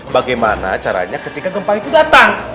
bagaimana caranya ketika gempa itu datang